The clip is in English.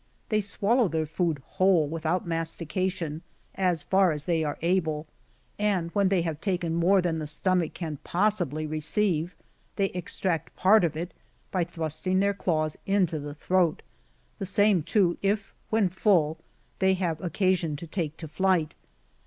They swallow their food whole, without mastication, so far as they are able ; and when they have taken more than the stomach can possibly receive, they extract part of it by thrusting their claws into the throat ; the same too, if, when full, they have bccasion to take to flight.